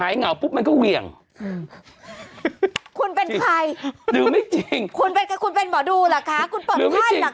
เราไม่ต้องรู้เยอะ